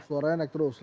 suara enak terus